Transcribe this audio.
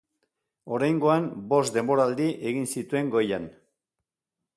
Oraingoan bost denboraldi egin zituen goian.